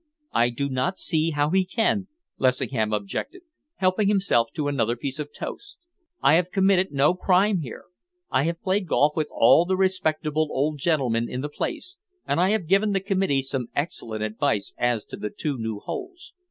"I do not see how he can," Lessingham objected, helping himself to another piece of toast. "I have committed no crime here. I have played golf with all the respectable old gentlemen in the place, and I have given the committee some excellent advice as to the two new holes.